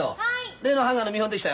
例のハンガーの見本出来たよ。